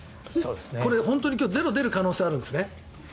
これ、本当に今日ゼロが出る可能性あるんですね。